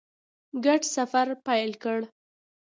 ګډ سفر پیل کړ.